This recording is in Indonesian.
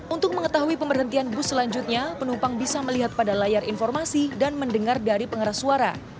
untuk mengetahui pemberhentian bus selanjutnya penumpang bisa melihat pada layar informasi dan mendengar dari pengeras suara